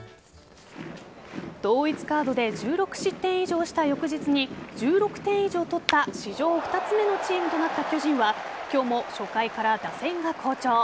同一カードで１６失点以上した翌日に１６点以上取った史上２つ目のチームとなった巨人は今日も初回から打線が好調。